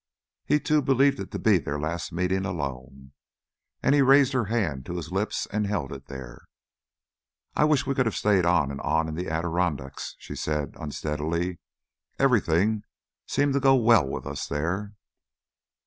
He too believed it to be their last meeting alone, and he raised her hand to his lips and held it there. "I wish we could have stayed on and on in the Adirondacks," she said unsteadily. "Everything seemed to go well with us there."